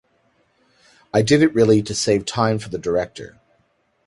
I did it really to save time for the director.